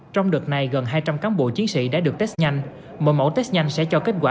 trong đợt này gần hai trăm linh cán bộ chiến sĩ đã được test nhanh mỗi mẫu test nhanh sẽ cho kết quả